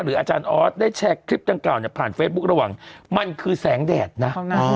อาจารย์ออสได้แชร์คลิปดังกล่าวเนี่ยผ่านเฟซบุ๊คระหว่างมันคือแสงแดดนะ